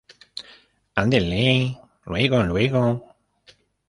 andele, luego, luego.